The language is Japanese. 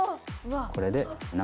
これで。